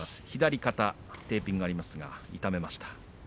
左肩テーピングがありますが痛めました。